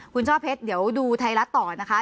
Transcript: คุณช่อเพชรเดี๋ยวดูไทยรัฐต่อนะคะ